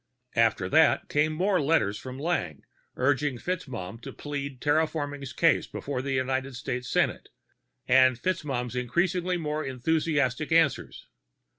After that came more letters from Lang, urging FitzMaugham to plead terraforming's case before the United States Senate, and FitzMaugham's increasingly more enthusiastic answers.